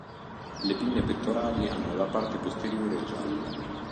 Le pinne pettorali hanno la parte posteriore gialla.